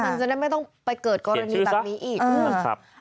มันจะได้ไม่ต้องไปเกิดกรณีแบบนี้อีกนะครับ